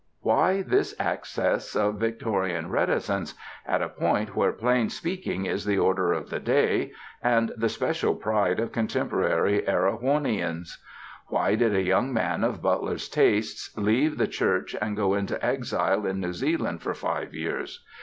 Why this access of Victorian reticence at a point where plain speaking is the order of the day and the special pride of contemporary Erewhonians? Why did a young man of Butler's tastes leave the church and go into exile in New Zealand for five years?